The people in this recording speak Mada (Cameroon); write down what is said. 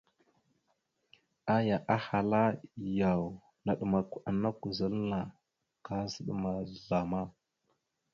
Aya ahala: « Yaw, naɗmakw a nakw zal anna, kaazaɗ ma zlama? ».